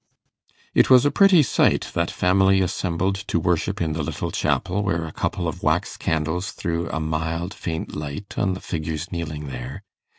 It was a pretty sight, that family assembled to worship in the little chapel, where a couple of wax candles threw a mild faint light on the figures kneeling there.